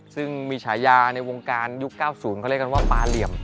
ซึ่งมีฉายาในวงการยุค๙๐เขาเรียกกันว่าปลาเหลี่ยม